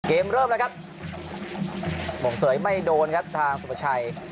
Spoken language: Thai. เกมเริ่มแล้วครับมงเสยไม่โดนครับทางสุภาชัย